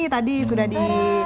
tadi sudah di